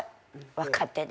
若手で。